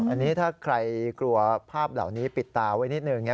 อันนี้ถ้าใครกลัวภาพเหล่านี้ปิดตาไว้นิดนึง